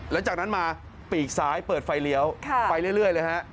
แล้วจากนั้นมาปีกซ้ายเปิดไฟเลี้ยวไปเรื่อยเลยฮะ